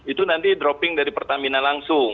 itu nanti dropping dari pertamina langsung